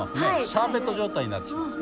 シャーベット状態になってきてます。